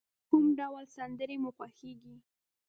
کوم ډول سندری مو خوښیږی؟